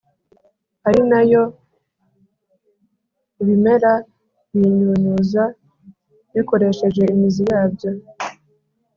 ari na yo ibimera binyunyuza bikoresheje imizi yabyo